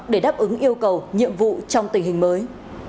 để đáp ứng yêu cầu nhiệm vụ trong tình hình mới